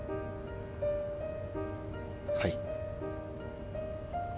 はい。